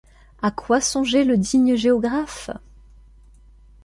À quoi songeait le digne géographe?